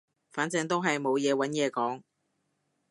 反正都係冇嘢揾嘢講